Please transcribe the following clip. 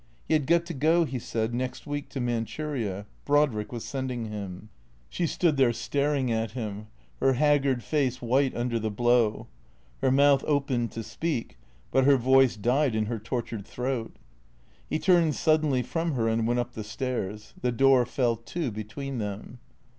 He had got to go, he said, next week to Manchuria. Brodrick was sending him. She stood there staring at him, her haggard face white under the blow. Her mouth opened to speak, but her voice died in her tortured throat. He turned suddenly from her and went up the stairs. The door fell to between them.